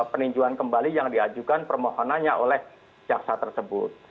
peninjauan kembali yang diajukan permohonannya oleh jaksa tersebut